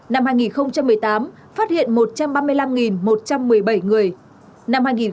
năm hai nghìn một mươi tám phát hiện một trăm ba mươi năm một trăm một mươi bảy người